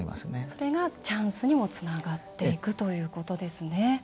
それがチャンスにもつながっていくということですね。